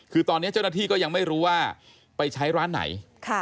คือตอนนี้เจ้าหน้าที่ก็ยังไม่รู้ว่าไปใช้ร้านไหน